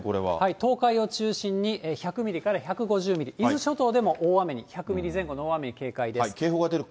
東海を中心に１００ミリから１５０ミリ、伊豆諸島でも大雨に、１００ミリ前後の大雨に警戒です。